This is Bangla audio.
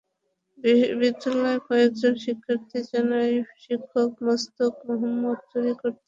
বিদ্যালয়ের কয়েকজন শিক্ষার্থী জানায়, শিক্ষক মোস্তাক মাহমুদ চুরি করতে পারেন না।